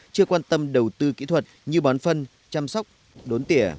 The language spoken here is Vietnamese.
chưa quan tâm đầu tư kỹ thuật như bón phân chăm sóc đốn tỉa